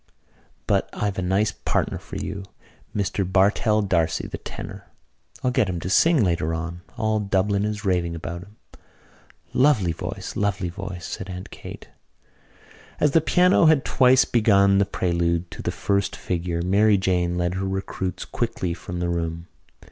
"But I've a nice partner for you, Mr Bartell D'Arcy, the tenor. I'll get him to sing later on. All Dublin is raving about him." "Lovely voice, lovely voice!" said Aunt Kate. As the piano had twice begun the prelude to the first figure Mary Jane led her recruits quickly from the room.